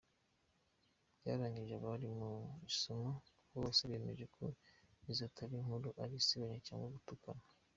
Byarangije abari mu isomo bose bemeje ko izo atari inkuru ari isebanya cg gutukana.